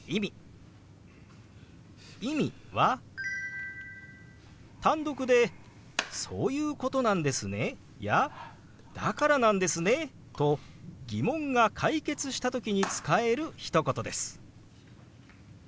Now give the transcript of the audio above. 「意味」は単独で「そういうことなんですね」や「だからなんですね」と疑問が解決した時に使えるひと言です。